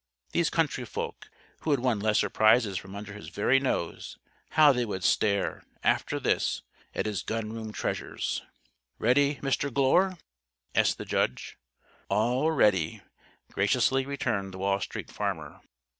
These country folk who had won lesser prizes from under his very nose how they would stare, after this, at his gun room treasures! "Ready, Mr. Glure?" asked the Judge. "All ready!" graciously returned the Wall Street Farmer.